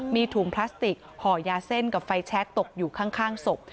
มีถุงพลาสติกห่อยาเส้นกับไฟแชคตกอยู่ข้างศพ